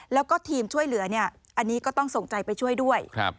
แล้วก็ทีมช่วยเหลือเนี่ยอันนี้ก็ต้องส่งใจไปช่วยด้วย